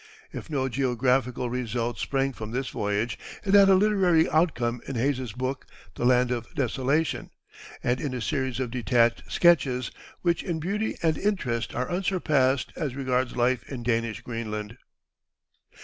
If no geographical results sprang from this voyage, it had a literary outcome in Hayes's book, "The Land of Desolation," and in a series of detached sketches, which in beauty and interest are unsurpassed as regards life in Danish Greenland.